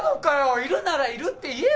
いるならいるって言えよ！